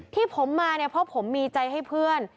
ที่มาพอก็ผมมีใจให้เพื่อน